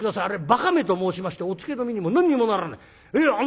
あれはばかめと申しましておつけの実にも何にもならない。